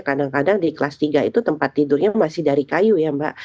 kadang kadang di kelas tiga itu tempat tidurnya masih dari kayu ya mbak